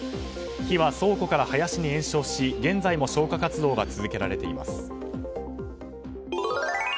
火は倉庫から林に延焼し現在も消火活動が続けられています。